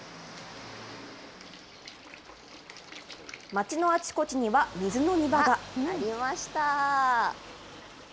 町のあちこちには水飲み場が。ありました。